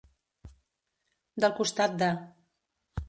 Del costat de.